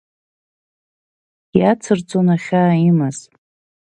Иацырҵон ахьаа имаз…